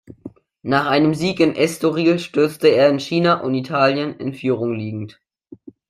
Nach einem Sieg in Estoril stürzte er in China und Italien in Führung liegend.